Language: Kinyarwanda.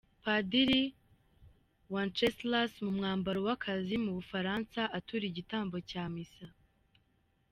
Padiri Wenceslas mu mwambaro w’akazi mu Bufaransa atura igitambo cya misa.